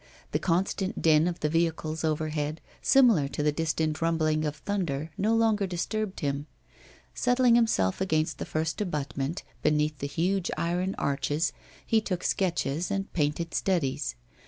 The constant din of the vehicles overhead, similar to the distant rumbling of thunder, no longer disturbed him. Settling himself against the first abutment, beneath the huge iron arches, he took sketches and painted studies.